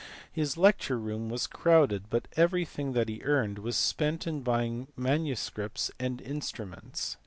His lecture room was crowded but everything that he earned was spent in. buying manuscripts and instruments.